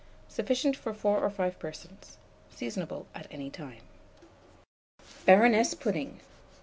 Sufficient for 4 or 5 persons. Seasonable at any time. BARONESS PUDDING.